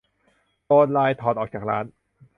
โดนไลน์ถอดออกจากร้าน